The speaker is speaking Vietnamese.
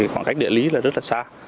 khoảng cách địa lý là rất là xa